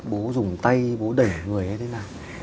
bố dùng tay bố đẩy người hay thế nào